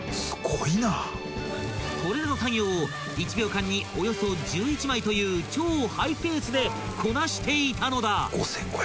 ［これらの作業を１秒間におよそ１１枚という超ハイペースでこなしていたのだ］